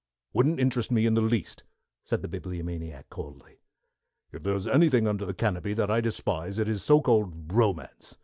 "Wouldn't interest me in the least," said the Bibliomaniac coldly, "If there is anything under the canopy that I despise it is so called romance.